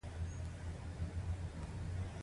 چې چا به دا اصول ماتول نو ټولنې به شړل.